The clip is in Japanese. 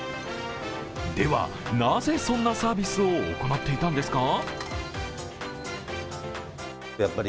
では、なぜそんなサービスを行っていたんですか？